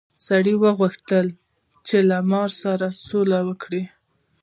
سړي وغوښتل چې له مار سره سوله وکړي.